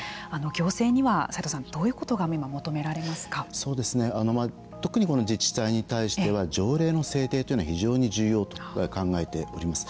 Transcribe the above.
行政には、齋藤さんどういうことが特に、この自治体に対しては条例の制定というのは非常に重要と考えております。